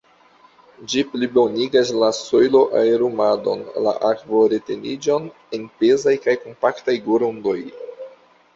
Ĝi plibonigas la sojlo-aerumadon kaj akvo-reteniĝon en pezaj kaj kompaktaj grundoj.